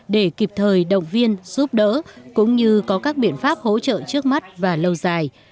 để kịp thời động viên giúp đỡ cũng như có các biện pháp hỗ trợ trước mắt và lâu dài